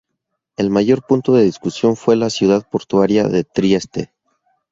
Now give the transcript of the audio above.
El mayor punto de discusión fue la ciudad portuaria de Trieste.